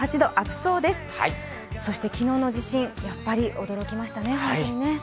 そして昨日の地震、やっぱり驚きましたね。